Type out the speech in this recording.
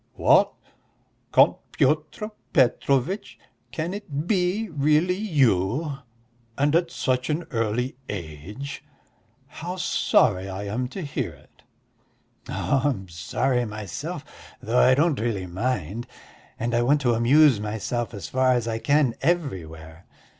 "What, Count Pyotr Petrovitch?... Can it be really you ... and at such an early age? How sorry I am to hear it." "Oh, I am sorry myself, though I really don't mind, and I want to amuse myself as far as I can everywhere.